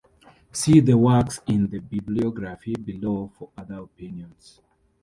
See the works in the Bibliography below for other opinions.